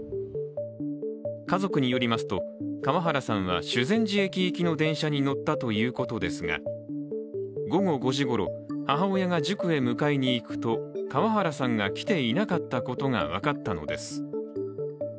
家族によりますと川原さんは修善寺行きの電車に乗ったということですが午後５時ごろ、母親が塾へ迎えに行くと川原さんが来ていなかったことが分かったのです。